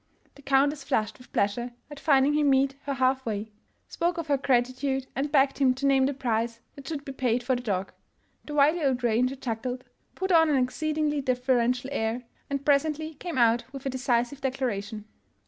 " The Countess flushed with pleasure at finding him meet her half way, spoke of her gratitude, and begged him to name the price that should be paid for the dog. The wily old ranger chuckled, put on an exceedingly deferential air, and presently came out with a decisive declaration.